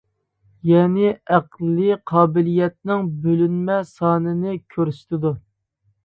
يەنى ئەقلىي قابىلىيەتنىڭ بۆلۈنمە سانىنى كۆرسىتىدۇ.